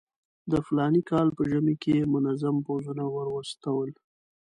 د فلاني کال په ژمي کې یې منظم پوځونه ورواستول.